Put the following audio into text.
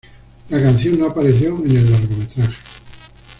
La canción no apareció en el largometraje.